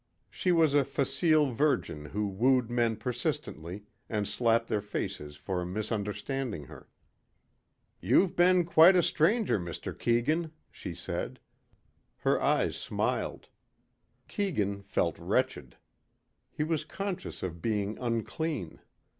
She was a facile virgin who wooed men persistently and slapped their faces for misunderstanding her. "You've been quite a stranger, Mr. Keegan," she said. Her eyes smiled. Keegan felt wretched. He was conscious of being unclean.